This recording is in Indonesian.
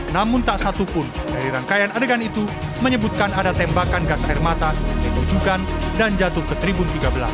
namun tak satupun dari rangkaian adegan itu menyebutkan ada tembakan gas air mata yang ditujukan dan jatuh ke tribun tiga belas